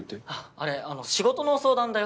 あれあの仕事の相談だよ。